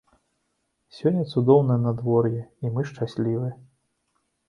Сёння цудоўнае надвор'е, і мы шчаслівыя.